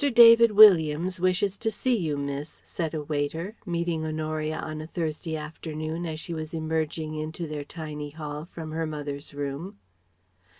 David Williams wishes to see you, Miss," said a waiter, meeting Honoria on a Thursday afternoon, as she was emerging into their tiny hall from her mother's room.